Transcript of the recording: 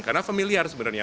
karena familiar sebenarnya